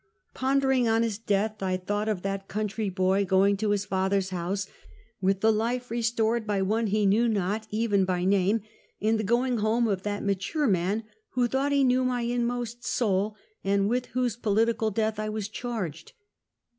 Pondering on his death, I thought of that country boy going to his father's house, with the life restored by one he knew not, even by name, and the going home of that mature man, who thought he knew my inmost soul, and with whose political death I was charged.